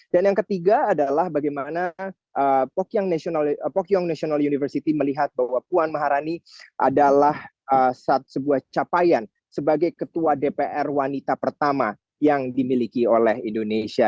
dan yang ketiga adalah bagaimana pocoyong national university melihat bahwa puan mahalani adalah sebuah capaian sebagai ketua dpr wanita pertama yang dimiliki oleh indonesia